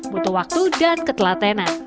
butuh waktu dan ketelatenan